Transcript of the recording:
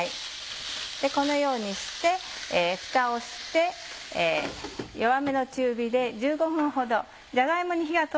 このようにしてふたをして弱めの中火で。